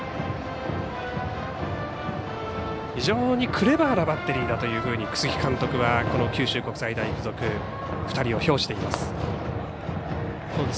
非常にクレバーなバッテリーだというふうに楠城監督は、この九州国際大付属２人を評しています。